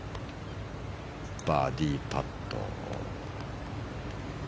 バーディーパット。